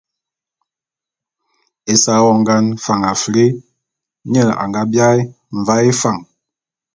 Ésa wongan Fan Afr, nye a nga biaé Mvaé Fan.